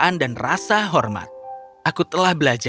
ku pasti akan menjag lo satu ratus dua puluh tahun